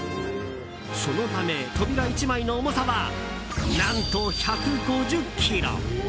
そのため扉１枚の重さは何と１５０ｋｇ。